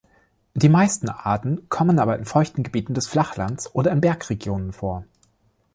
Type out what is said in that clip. Die meisten Arten kommen aber in feuchten Gebieten des Flachlands oder in Bergregionen vor.